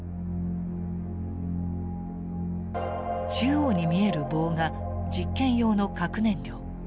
中央に見える棒が実験用の核燃料。